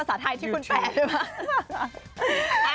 ฉันร้องคุณแทดที่ประสาทไทยได้มั้ย